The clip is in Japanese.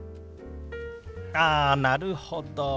あなるほど。